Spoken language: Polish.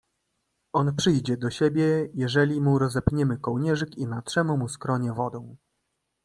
"On przyjdzie do siebie, jeżeli mu rozepniemy kołnierzyk i natrzemy mu skronie wodą."